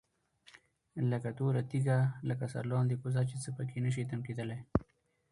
لكه توره تيږه، لكه سرلاندي كوزه چي څه په كي نشي تم كېدى